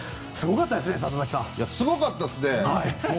すごかったですね。